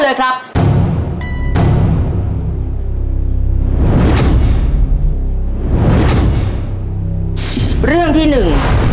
ถ้าพร้อมแล้วมาดูโจทย์คำถามทั้งหมด๕เรื่องพร้อมกันเลยครับ